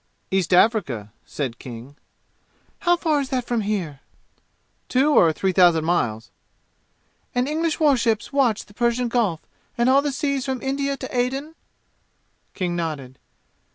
"East Africa," said King. "How far is that from here?" "Two or three thousand miles." "And English war ships watch the Persian Gulf and all the seas from India to Aden?" King nodded.